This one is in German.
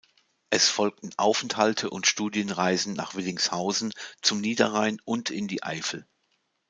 Es folgten Aufenthalte und Studienreisen nach Willingshausen, zum Niederrhein und in die Eifel.